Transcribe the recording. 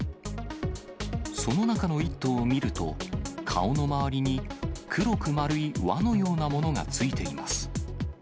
その中の１頭を見ると、顔の周りに黒く丸い輪のようなものがついています。